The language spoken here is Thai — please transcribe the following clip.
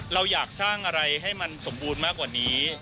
เราอยากสร้างอะไรให้มันสมบูรณ์มากกว่านี้